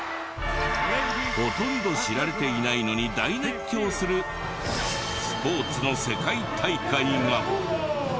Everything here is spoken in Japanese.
ほとんど知られていないのに大熱狂するスポーツの世界大会が。